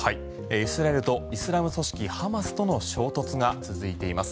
イスラエルとイスラム組織ハマスとの衝突が続いています。